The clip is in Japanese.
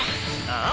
ああ！！